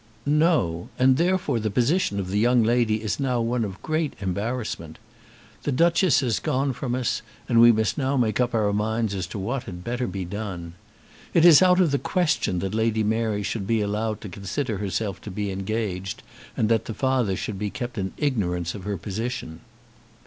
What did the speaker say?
"No; and therefore the position of the young lady is now one of great embarrassment. The Duchess has gone from us, and we must now make up our minds as to what had better be done. It is out of the question that Lady Mary should be allowed to consider herself to be engaged, and that the father should be kept in ignorance of her position."